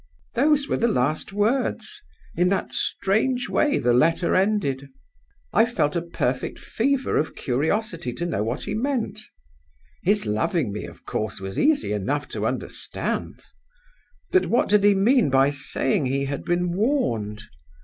"Those were the last words. In that strange way the letter ended. "I felt a perfect fever of curiosity to know what he meant. His loving me, of course, was easy enough to understand. But what did he mean by saying he had been warned?